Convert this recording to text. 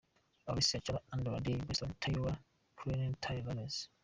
Alessia Cara Andra Day Bryson Tiller Kehlani Tory Lanez.